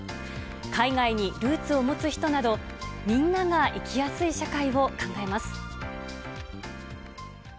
海外にルーツを持つ人など、みんなが生きやすい社会を考えます。